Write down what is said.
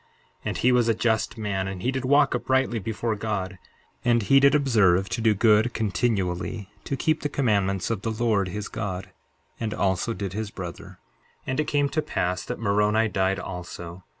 63:2 And he was a just man, and he did walk uprightly before God; and he did observe to do good continually, to keep the commandments of the Lord his God; and also did his brother. 63:3 And it came to pass that Moroni died also.